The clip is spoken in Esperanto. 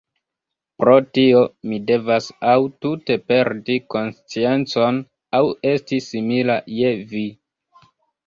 Pro tio mi devas aŭ tute perdi konsciencon, aŭ esti simila je vi.